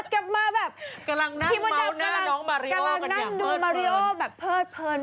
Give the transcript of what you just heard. กำลังนั่งดูมาริโอแบบเผิดเผิน